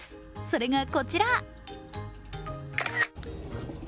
それがこちら。